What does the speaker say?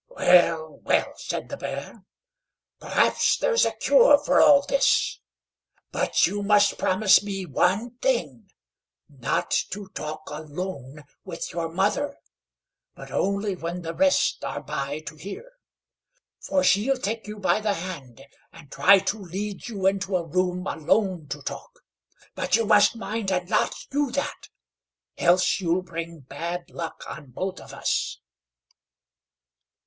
"Well, well!" said the Bear, "perhaps there's a cure for all this; but you must promise me one thing, not to talk alone with your mother, but only when the rest are by to hear; for she'll take you by the hand and try to lead you into a room alone to talk; but you must mind and not do that, else you'll bring bad luck on both of us."